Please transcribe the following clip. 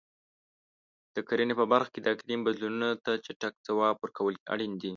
د کرنې په برخه کې د اقلیم بدلونونو ته چټک ځواب ورکول اړین دي.